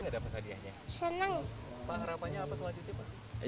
harapan apa selanjutnya pak